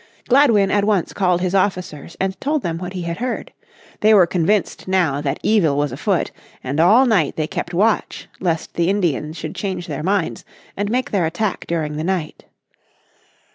Gladwin at once called his officers and told them what he had heard. They were convinced now that evil was afoot, and all night they kept watch lest the Indians should change their minds, and make their attack during the night.